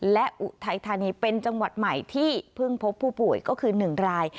และอุทัยธานีเป็นจังหวัดใหม่ที่เพิ่งพบผู้ป่วยก็คือ๑ราย